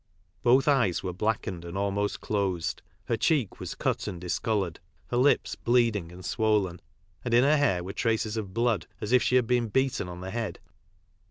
Both eyes were blackened and almost closed, her cheek was cut and discoloured, her lips bleeding and swollen, and in her hair were traces of blood, as if she had* been beaten on the head.